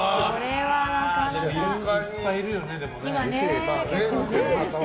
いっぱいいるよね、でも。